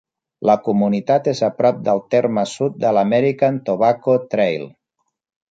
La comunitat és a prop del terme sud de l' American Tobacco Trail.